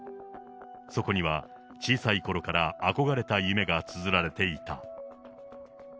そこには小さいころから憧れた夢がつづられていた。